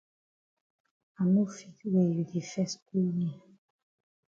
I no fit wey you di fes owe me.